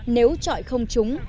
nếu trọi không trúng